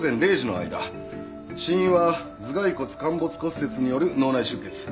死因は頭蓋骨陥没骨折による脳内出血。